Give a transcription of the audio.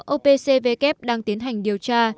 opcvk đang tiến hành điều tra